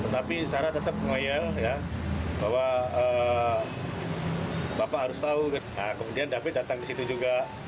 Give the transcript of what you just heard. nah kemudian david datang di situ juga